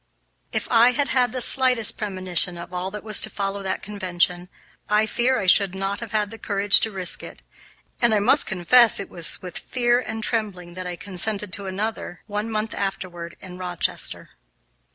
If I had had the slightest premonition of all that was to follow that convention, I fear I should not have had the courage to risk it, and I must confess that it was with fear and trembling that I consented to attend another, one month afterward, in Rochester.